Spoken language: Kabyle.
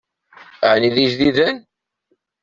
Ɛni d ijdiden?